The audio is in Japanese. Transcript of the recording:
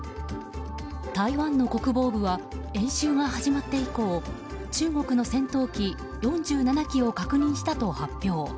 台湾の国防部は演習が始まって以降中国の戦闘機４７機を確認をしたと発表。